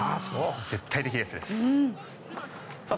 絶対的エースです。